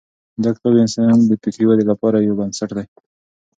دا کتاب د انسان د فکري ودې لپاره یو بنسټ دی.